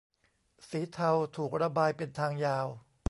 สีเทาถูกระบายเป็นทางยาว